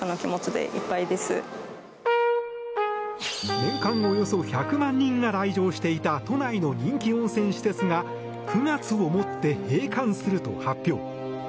年間およそ１００万人が来場していた都内の人気温泉施設が９月をもって閉館すると発表。